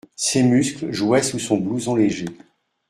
Ses muscles jouaient sous son blouson léger.